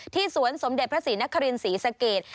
สวนสมเด็จพระศรีนครินศรีสเกต